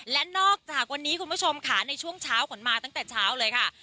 และนอกจากวันนี้คุณผู้ชมค่ะในช่วงเช้าขวัญมาตั้งแต่เช้าเลยค่ะ